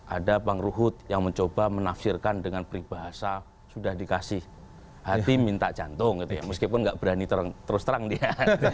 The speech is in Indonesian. ada bang ruhut yang mencoba menafsirkan dengan peribahasa sudah dikasih hati minta jantung gitu ya meskipun nggak berani terus terang dia